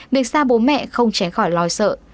việc xa bố mẹ không tránh khỏi lo sợ